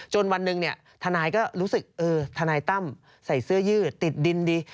วันหนึ่งทนายก็รู้สึกทนายตั้มใส่เสื้อยืดติดดินดี